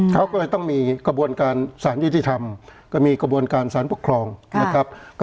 เขาก็เลยต้องมีกระบวนการสารยุติธรรมก็มีกระบวนการสารปกครองนะครับ